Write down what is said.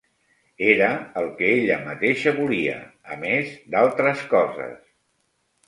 Era el que ella mateixa volia, a més d'altres coses.